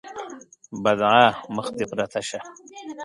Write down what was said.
بدعا: مخ دې پرته شه!